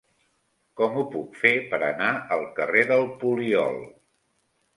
Com ho puc fer per anar al carrer del Poliol?